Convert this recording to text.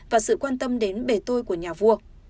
và sự quan tâm đến bể tôi của nhà vua